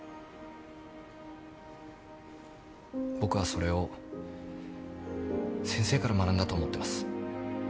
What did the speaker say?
僕はそれを先生から学んだと思ってます。